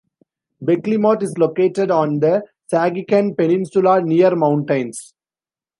Beklimot is located on the Sagikan Peninsula, near mountains.